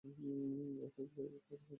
FIR দায়ের করা হয়েছে।